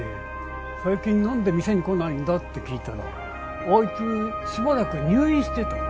最近なんで店に来ないんだって聞いたらあいつしばらく入院してたって。